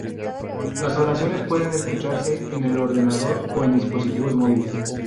Las oraciones pueden escucharse en el ordenador o en dispositivos móviles.